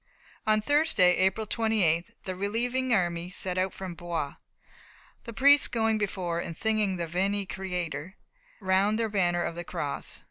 On Thursday, April 28th, the relieving army set out from Blois, the priests going before and singing the Veni Creator round their banner of the Cross.